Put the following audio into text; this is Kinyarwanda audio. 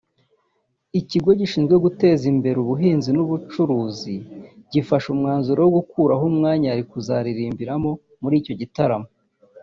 Ikigo gishinzwe guteza imbere ubuhinzi n’ubucuruzi gifashe umwanzuro wo gukuraho umwanya yari kuzaririmbamo muri icyo gitaramo